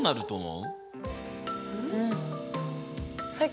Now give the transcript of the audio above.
うん。